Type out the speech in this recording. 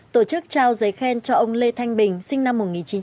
tổ chức trao giấy khen cho ông lê thanh bình sinh năm một nghìn chín trăm bốn mươi tám